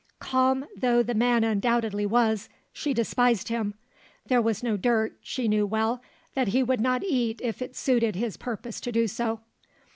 Calm though the man undoubtedly was, she despised him; there was no dirt, she knew well, that he would not eat if it suited his purpose to do so.